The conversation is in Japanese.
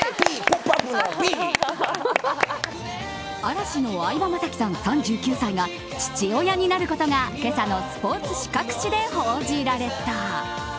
嵐の相葉雅紀さん、３９歳が父親になることが今朝のスポーツ紙各紙で報じられた。